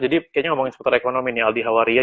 jadi kayaknya ngomongin seputar ekonomi nih aldi hawari ya